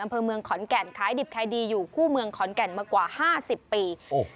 อำเภอเมืองขอนแก่นขายดิบขายดีอยู่คู่เมืองขอนแก่นมากว่าห้าสิบปีโอ้โห